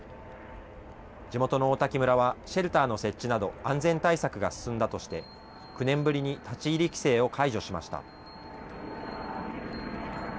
地元の王滝村はシェルターの設置など、安全対策が進んだとして、９年ぶりに立ち入り規制を解除しました。